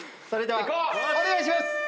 それではお願いします！